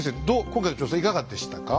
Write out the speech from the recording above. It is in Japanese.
今回の調査いかがでしたか？